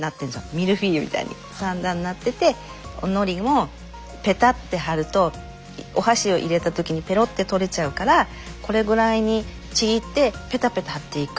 ミルフィーユみたいに３段になってておのりをペタッて貼るとお箸を入れた時にぺろって取れちゃうからこれぐらいにちぎってペタペタ貼っていくのり弁なんですよ。へ。